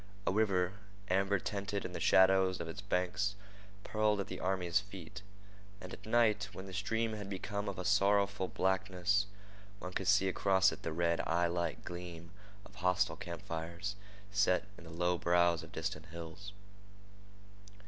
A river, amber tinted in the shadow of its banks, purled at the army's feet; and at night, when the stream had become of a sorrowful blackness, one could see across it the red, eyelike gleam of hostile camp fires set in the low brows of distant hills.